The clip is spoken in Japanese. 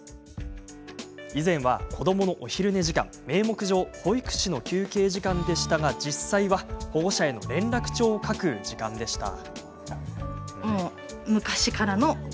以前は、子どものお昼寝時間は名目上保育士の休憩時間でしたが実際は保護者への連絡帳を書く時間でした。